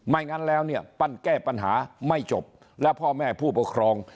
งั้นแล้วเนี่ยปั้นแก้ปัญหาไม่จบแล้วพ่อแม่ผู้ปกครอง